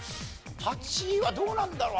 ８位はどうなんだろう？